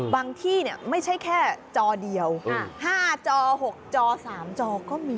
ที่ไม่ใช่แค่จอเดียว๕จอ๖จอ๓จอก็มี